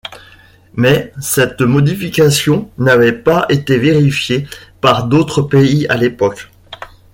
Mais cette modification n'avait pas été vérifiée par d'autres pays à l'époque.